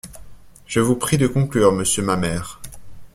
Je vous prie de conclure, monsieur Mamère.